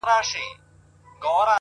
• چي کورونا دی که کورونا ده,